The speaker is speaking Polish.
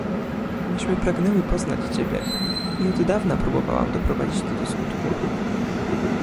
"Myśmy pragnęły poznać ciebie, i od dawna próbowałam doprowadzić to do skutku."